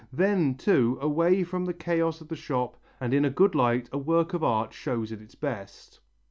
Then, too, away from the chaos of the shop and in a good light a work of art shows at its best.